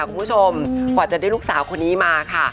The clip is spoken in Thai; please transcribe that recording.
คุณผู้ชมกว่าจะได้ลูกสาวคนนี้มาค่ะ